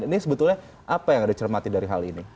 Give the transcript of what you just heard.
ini sebetulnya apa yang dicermati dari hal ini